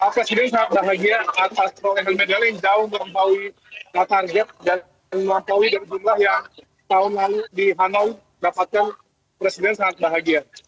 pak presiden sangat bahagia atas profesional medali yang jauh melampaui target dan melampaui dari jumlah yang tahun lalu di hanoi dapatkan presiden sangat bahagia